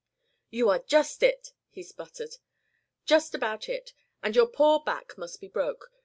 "You are just it," he sputtered. "Just about it. And your poor back must be broke.